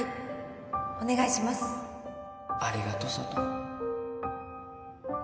ありがとう佐都